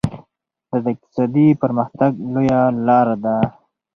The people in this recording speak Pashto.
دا د اقتصادي پرمختګ لویه لار ده.